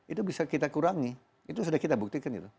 itu bisa kita kurangi itu sudah kita buktikan gitu